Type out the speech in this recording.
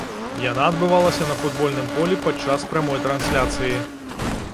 Яна адбывалася на футбольным полі падчас прамой трансляцыі.